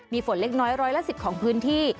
มีฝนเล็กน้อยร้อยละ๑๐ของพื้นที่